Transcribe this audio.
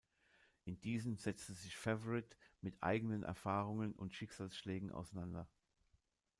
In diesen setzt sich Favorite mit eigenen Erfahrungen und Schicksalsschlägen auseinander.